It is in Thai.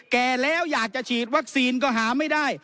แก่แล้วอยากจะฉีดวัคซีนก็หาไม่ได้